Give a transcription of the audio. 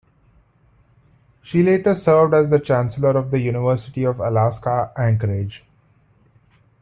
She later served as the chancellor of the University of Alaska Anchorage.